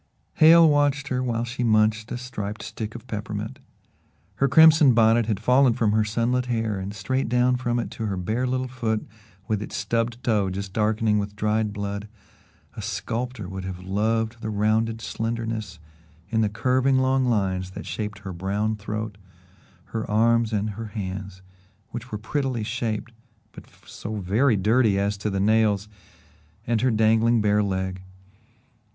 Hale watched her while she munched a striped stick of peppermint. Her crimson bonnet had fallen from her sunlit hair and straight down from it to her bare little foot with its stubbed toe just darkening with dried blood, a sculptor would have loved the rounded slenderness in the curving long lines that shaped her brown throat, her arms and her hands, which were prettily shaped but so very dirty as to the nails, and her dangling bare leg.